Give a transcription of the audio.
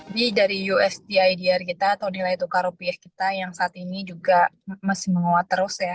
ini dari ustidr kita atau nilai tukar rupiah kita yang saat ini juga masih menguat terus ya